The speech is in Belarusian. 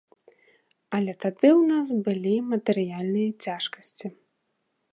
Але тады ў нас былі матэрыяльныя цяжкасці.